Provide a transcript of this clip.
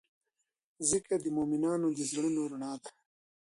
ذکر د مؤمنانو د زړونو رڼا ده.